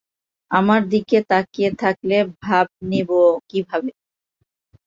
আমার দিকে তাকিয়ে থাকলে ভাব নিবো কিভাবে?